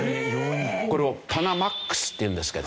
これをパナマックスっていうんですけど。